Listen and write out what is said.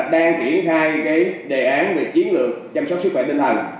đang triển khai đề án về chiến lược chăm sóc sức khỏe tinh thần